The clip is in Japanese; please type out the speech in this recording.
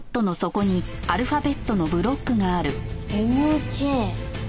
「ＭＪ」？